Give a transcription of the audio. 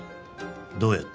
どうやって？